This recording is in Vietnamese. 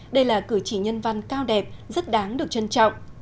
đây là cử chỉ nhân văn cao đẹp rất đáng được trân trọng